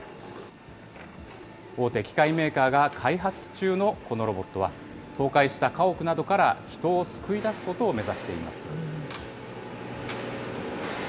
大手機械メーカーが開発中のこのロボットは、倒壊した家屋などから人を救い出すことを目指しています。